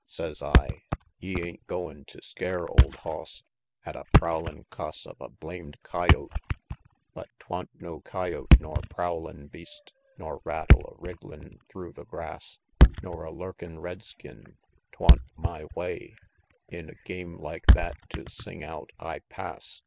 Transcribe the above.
Sez I, "Ye ain't goin' tew scare, old hoss, At a prowlin' coss of a blamed coyote?" XXIV. But 'twan't no coyote nor prowlin' beast. Nor rattle a wrigglin' through the grass, Nor a lurkin' red skin 'twan't my way In a game like that to sing out, "I pass!"